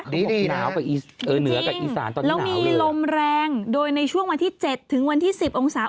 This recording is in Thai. ดีนะครับจริงแล้วมีลมแรงโดยในช่วงวันที่๗๑๐องศา